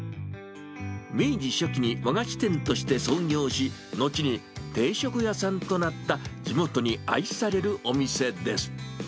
明治初期に和菓子店として創業し、後に定食屋さんとなった、地元に愛されるお店です。